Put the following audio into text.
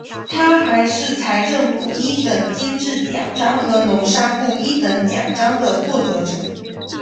他还是财政部一等金质奖章和农商部一等奖章的获得者。